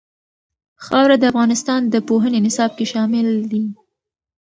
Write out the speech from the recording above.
خاوره د افغانستان د پوهنې نصاب کې شامل دي.